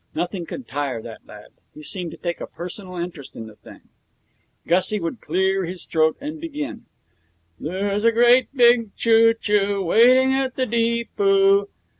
Nothing could tire that lad. He seemed to take a personal interest in the thing. Gussie would cleat his throat and begin: 'There's a great big choo choo waiting at the deepo.'